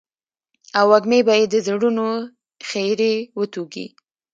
او وږمې به يې د زړونو خيري وتوږي.